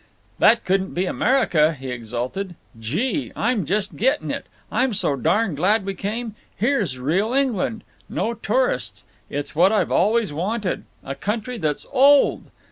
"That couldn't be America," he exulted. "Gee! I'm just gettin' it! I'm so darn glad we came…. Here's real England. No tourists. It's what I've always wanted—a country that's old.